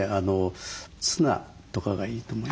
ツナとかがいいと思いますね。